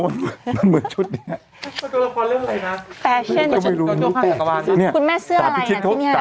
เนี่ยนี่